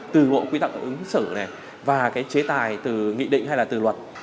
từ bộ quy tắc ứng xử này và cái chế tài từ nghị định hay là từ luật